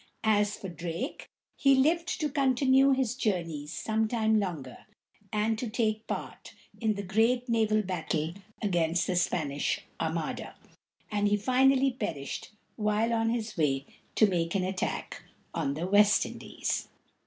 As for Drake, he lived to continue his journeys some time longer, and to take part in the great naval battle against the Spanish Ar ma´da; and he finally perished while on his way to make an attack on the West Indies.